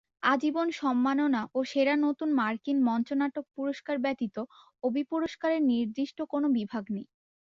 আজীবন সম্মাননা ও সেরা নতুন মার্কিন মঞ্চনাটক পুরস্কার ব্যতীত ওবি পুরস্কারের নির্দিষ্ট কোন বিভাগ নেই।